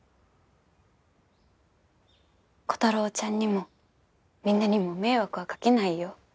コタローちゃんにもみんなにも迷惑はかけないよ。